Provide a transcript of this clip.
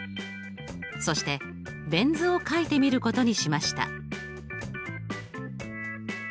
そしてベン図を書いてみることにしました。